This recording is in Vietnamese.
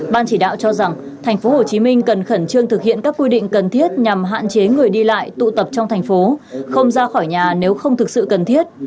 ban chỉ đạo cho rằng thành phố hồ chí minh cần khẩn trương thực hiện các quy định cần thiết nhằm hạn chế người đi lại tụ tập trong thành phố không ra khỏi nhà nếu không thực sự cần thiết